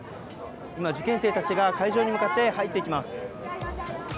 今、受験生たちが会場に入っていきます。